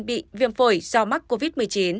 bị viêm phổi do mắc covid một mươi chín